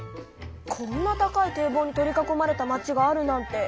こんな高い堤防に取り囲まれた町があるなんて